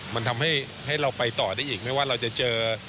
มันทำให้เราไปต่อได้อีกไม่ว่าเราจะเจอ